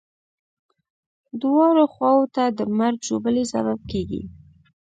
دواړو خواوو ته د مرګ ژوبلې سبب کېږي.